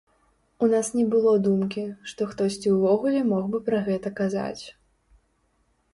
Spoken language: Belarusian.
У нас не было думкі, што хтосьці ўвогуле мог бы пра гэта казаць.